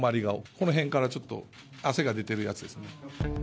この辺から汗が出てるやつですね。